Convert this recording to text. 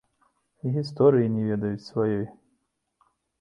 І гісторыі не ведаюць сваёй.